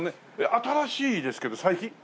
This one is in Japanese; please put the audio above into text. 新しいですけど最近？